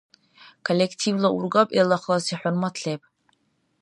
Коллективла ургаб илала халаси хӀурмат леб.